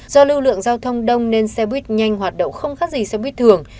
do lưu lượng giao thông đông nên xe bít nhanh hoạt động không khác gì xe bít thường